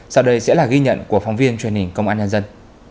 sau đây sẽ là ghi nhận của phóng viên truyền hình công an nhân dân